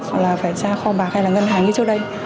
hoặc là phải ra kho bạc hay là ngân hàng như trước đây